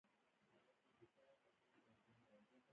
ناجیه د مينې مړاوو سترګو ته په ځير ځير وکتل